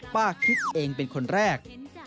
คิดเองเป็นคนแรก